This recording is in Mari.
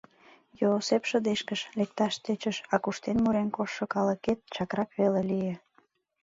Йоосеп шыдешкыш, лекташ тӧчыш, а куштен-мурен коштшо калыкет чакрак веле лие.